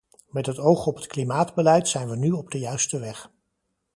Met het oog op het klimaatbeleid zijn we nu op de juiste weg.